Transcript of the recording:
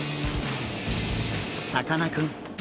さかなクン